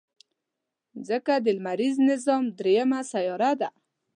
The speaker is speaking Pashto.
مځکه د لمریز نظام دریمه سیاره ده.